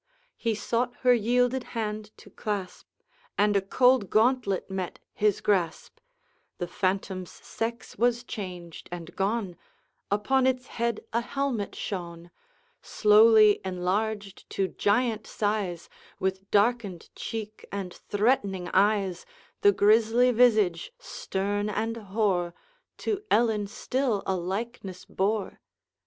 He sought her yielded hand to clasp, And a cold gauntlet met his grasp: The phantom's sex was changed and gone, Upon its head a helmet shone; Slowly enlarged to giant size, With darkened cheek and threatening eyes, The grisly visage, stern and hoar, To Ellen still a likeness bore.